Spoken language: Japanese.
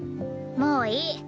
もういい。